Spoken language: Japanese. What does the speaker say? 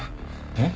えっ？